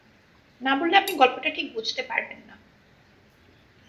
না-বললে আপনি গল্পটা ঠিক বুঝতে পারবেন না।